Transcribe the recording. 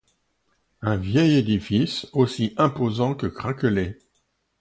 Un vieil édifice aussi imposant que craquelé.